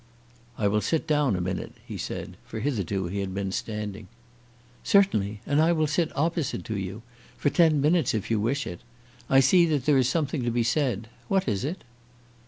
"I will sit down a minute," he said; for hitherto he had been standing. "Certainly; and I will sit opposite to you, for ten minutes if you wish it. I see that there is something to be said. What is it?"